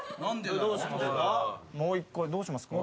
もう一回どうしますか？